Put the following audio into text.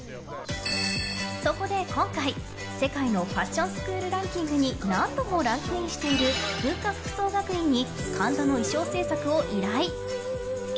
そこで今回、世界のファッションスクールランキングに何度もランクインしている文化服装学院に神田の衣装制作を依頼！